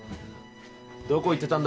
どこ行ってたんだ？